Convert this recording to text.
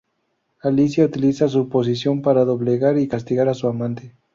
Alicia utiliza su posición para doblegar y castigar a su amante.